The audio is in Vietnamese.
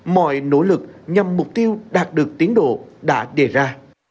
mọi nỗ lực nhằm mục tiêu đạt được tiến độ đã đề ra